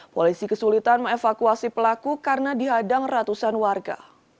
polisi kesulitan mengevakuasi pelaku karena dihadang ratusan warga